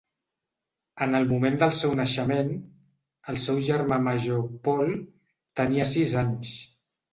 En el moment del seu naixement, el seu germà major, Paul, tenia sis anys.